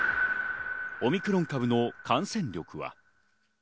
オミクロン株の感染力は。